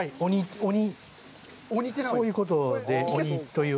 オニ、そういうことでオニという。